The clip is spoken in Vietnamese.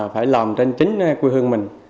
phải làm trên chính quê hương mình